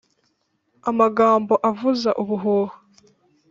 amagambo avuza ubuhuha